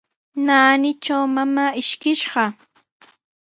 Naanitraw mamaa ishkishqa.